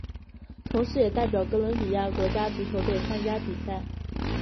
同时也代表哥伦比亚国家足球队参加比赛。